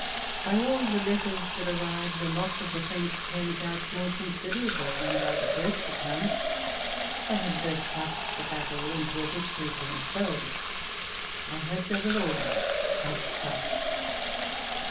By all the letters that arrive the loss of the French turns out more considerable than by the first accounts : they have dressed up the battle into a victory for themselves — I hope they •will always have such